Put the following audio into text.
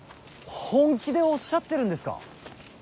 本気でおっしゃってるんですか。